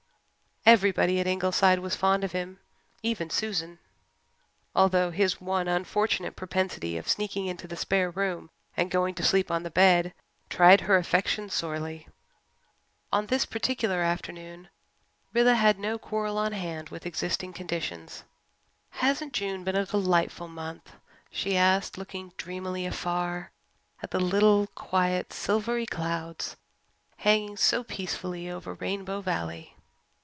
Everybody at Ingleside was fond of him, even Susan, although his one unfortunate propensity of sneaking into the spare room and going to sleep on the bed tried her affection sorely. On this particular afternoon Rilla had no quarrel on hand with existing conditions. "Hasn't June been a delightful month?" she asked, looking dreamily afar at the little quiet silvery clouds hanging so peacefully over Rainbow Valley.